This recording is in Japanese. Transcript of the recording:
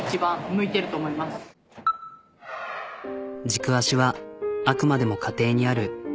軸足はあくまでも家庭にある。